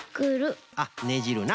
あっ「ねじる」な。